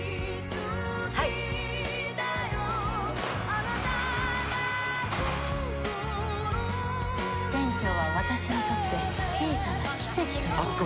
はい店長は私にとって小さな奇跡ということです